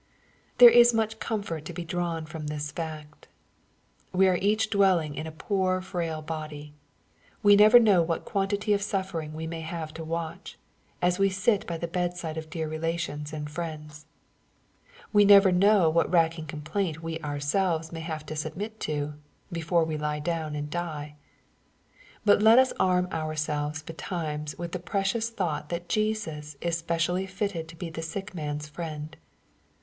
There is much comfort to be drawn from this fact. We are each dwelling in a poor frail body. We never know what quantity of suffering we may have to watch, as we sit by the bedside of dear relations and friends. We never know what racking complaint we ourselves may have to submit to, before we lie down and die. But let us arm omrselves betimes with the precious thought that Jesus is specially fitted to be the sick man's friend.